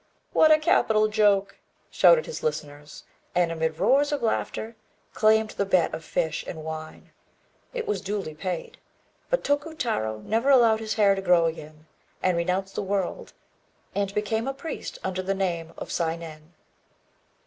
"What a capital joke!" shouted his listeners, and amid roars of laughter, claimed the bet of fish, and wine. It was duly paid; but Tokutarô never allowed his hair to grow again, and renounced the world, and became a priest under the name of Sainen.